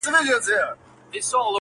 بې وخته مېلمه ئې د خپله بخته خوري.